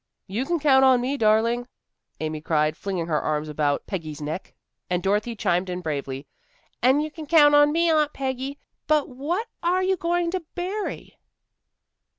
"You can count on me, darling," Amy cried, flinging her arms about Peggy's neck. And Dorothy chimed in bravely, "An' you can count on me, Aunt Peggy. But but what are you going to bury?"